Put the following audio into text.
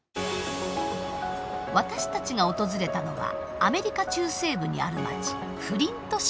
私たちが訪れたのはアメリカ中西部にある街フリント市です。